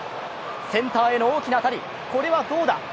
センターへの大きな当たりこれはどうだ。